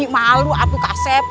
malu atu kasep